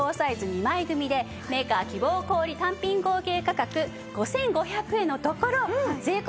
２枚組でメーカー希望小売単品合計価格５５００円のところ税込